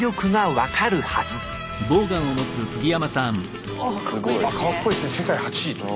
あっかっこいいですね。